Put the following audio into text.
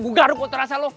gue garuk kok terasa lo